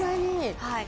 はい。